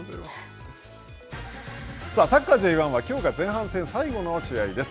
サッカーＪ１は、きょうが前半戦最後の試合です。